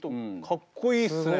かっこいいっすね。